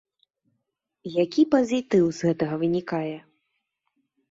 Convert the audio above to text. Які пазітыў з гэтага вынікае?